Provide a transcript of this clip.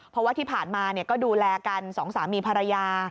เพราะว่าที่ผ่านมาก็ดูแลกันสองสามีภรรยา